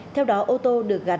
theo đó ô tô được gắn